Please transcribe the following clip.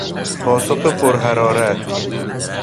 پاسخ پرحرارت